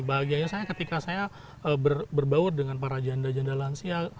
bahagianya saya ketika saya berbaur dengan para janda janda lansia